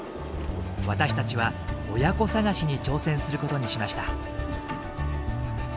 私たちは親子探しに挑戦することにしました。